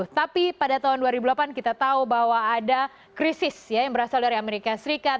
tapi pada tahun dua ribu delapan kita tahu bahwa ada krisis yang berasal dari amerika serikat